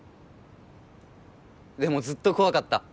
でもずっと怖かった。